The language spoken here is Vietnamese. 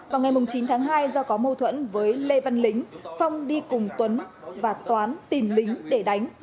vào ngày chín tháng hai do có mâu thuẫn với lê văn lính phong đi cùng tuấn và toán tìm lính để đánh